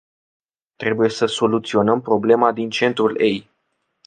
Trebuie să soluționăm problema din centrul ei.